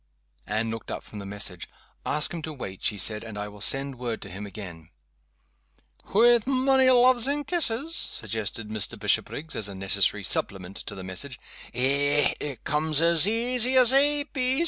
Anne looked up from the message. "Ask him to wait," she said; "and I will send word to him again." "Wi' mony loves and kisses," suggested Mr. Bishopriggs, as a necessary supplement to the message. "Eh! it comes as easy as A.